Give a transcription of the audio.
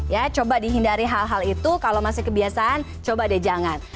ya coba dihindari hal hal itu kalau masih kebiasaan coba deh jangan